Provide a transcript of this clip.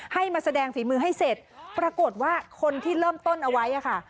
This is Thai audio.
มาแสดงฝีมือให้เสร็จปรากฏว่าคนที่เริ่มต้นเอาไว้ค่ะ